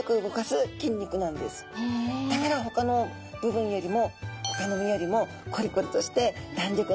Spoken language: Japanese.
だからほかの部分よりもほかの身よりもコリコリとしてだんりょ